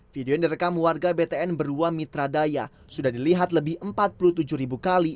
video yang direkam warga btn berua mitra daya sudah dilihat lebih empat puluh tujuh ribu kali